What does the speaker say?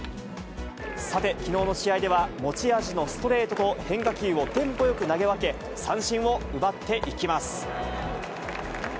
さてきのうの試合では、持ち味のストレートと変化球をテンポよく投げ分け、三振を奪っていきます。